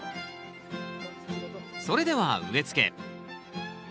それでは植えつけ。